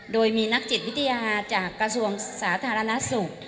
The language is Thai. โดยมีนักจิตวิทยาจากกระทรวงสาธารณสุข